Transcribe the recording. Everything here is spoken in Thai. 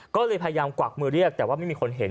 ก็เลยพยายามกวักมือเรียกแต่ว่าไม่มีคนเห็น